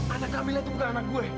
anak kamila itu bukan anak gue